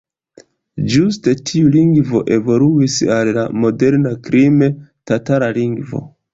Ĝuste tiu lingvo evoluis al la moderna krime-tatara lingvo.